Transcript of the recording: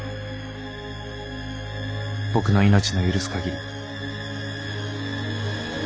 僕の命の許す限り。